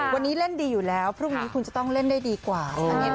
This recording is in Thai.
วันนี้เล่นดีอยู่แล้วพรุ่งนี้คุณจะต้องเล่นได้ดีกว่า